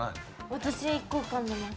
私１個浮かんでます。